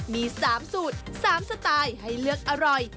มี๓สูตร๓สไตล์ให้เลือกอร่อย